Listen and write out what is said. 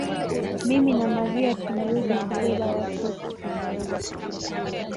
Mimi na mariah tunaweza kubeba watoto